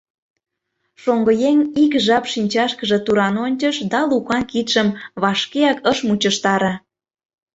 Шоҥгыеҥ ик жап шинчашкыже туран ончыш да Лукан кидшым вашкеак ыш мучыштаре.